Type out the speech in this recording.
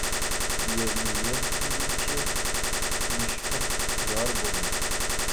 Erni er qilguvchi, mushfiq yor bo‘ling